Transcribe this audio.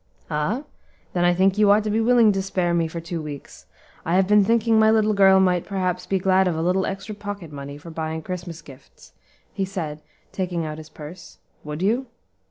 "Ah? then I think you ought to be willing to spare me for two weeks. I have been thinking my little girl might perhaps be glad of a little extra pocket money for buying Christmas gifts," he said, taking out his purse. "Would you?"